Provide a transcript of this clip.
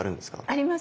ありますよ。